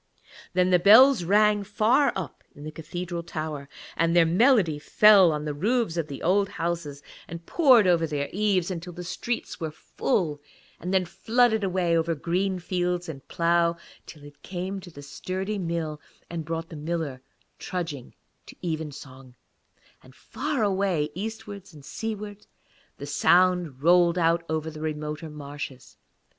Then the bells rang, far up in a cathedral tower, and their melody fell on the roofs of the old houses and poured over their eaves until the streets were full, and then flooded away over green fields and plough, till it came to the sturdy mill and brought the miller trudging to evensong, and far away eastwards and seawards the sound rang out over the remoter marshes.